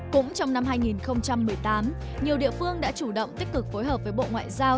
cũng trong năm hai nghìn một mươi tám nhiều địa phương đã chủ động tích cực phối hợp với bộ ngoại giao